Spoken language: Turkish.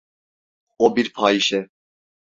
O bir fahişe.